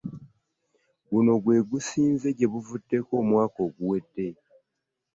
Guno gwe gusinze gye buvuddeko omwaka oguwedde.